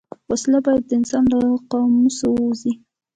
وسله باید د انسانیت له قاموسه ووځي